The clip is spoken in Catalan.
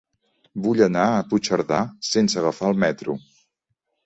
Vull anar a Puigcerdà sense agafar el metro.